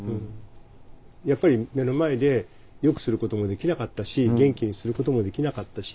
やっぱり目の前でよくすることもできなかったし元気にすることもできなかったし